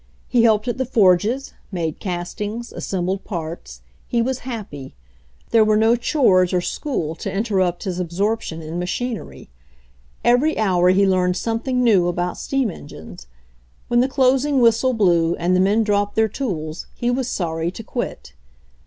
He helped at the forges, made castings, assembled parts. He was happy. There were no chores or school to interrupt his absorption in machinery. Every hour he learned something new about steam engines. When the closing whistle blew and the men dropped their tools he was sorry to quit.